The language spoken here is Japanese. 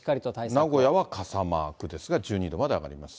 名古屋は傘マークですが、１２度まで上がります。